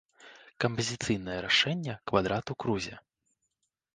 Кампазіцыйнае рашэнне квадрат у крузе.